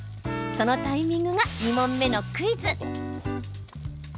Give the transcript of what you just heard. そのタイミングが２問目のクイズ。